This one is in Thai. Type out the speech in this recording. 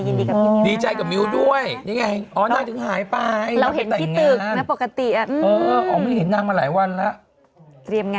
ยินดีกับเฮียมิวนะคะดีใจกับเฮียมิวด้วยนี่ไงอ๋อน่าถึงหายไป